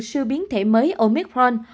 sư biến thể mới omicron